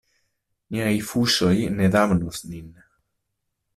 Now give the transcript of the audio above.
Niaj fuŝoj ne damnos nin.